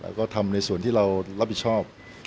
ก็ทำในส่วนที่เรารับผิดชอบ